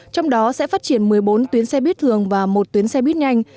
trong đó sẽ phát triển một mươi bốn tuyến xe buýt thường và một tuyến xe buýt nhanh